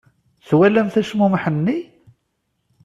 Twalamt acmumeḥ-nni?